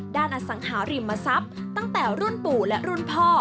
อสังหาริมทรัพย์ตั้งแต่รุ่นปู่และรุ่นพ่อ